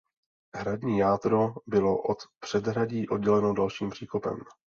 Hradní jádro bylo od předhradí odděleno dalším příkopem.